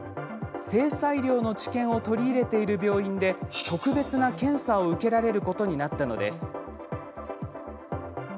性差医療の知見を取り入れている病院で、特別な検査を受けられることになったのです。